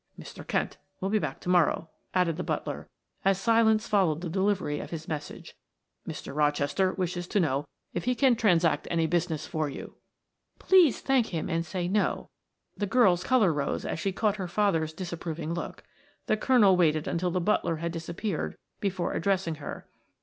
"Mr. Kent will be back to morrow," added the butler, as silence followed the delivery of his message. "Mr. Rochester wishes to know if he can transact any business for you." "Please thank him and say no." The girl's color rose as she caught her father's disapproving look. The colonel waited until the butler had disappeared before addressing her.